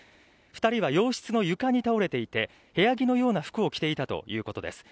２人は洋室の床に倒れていて部屋着のような服を着ていたということです。